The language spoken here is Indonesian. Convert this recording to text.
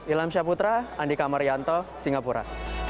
ilam syaputra andika marianto singapura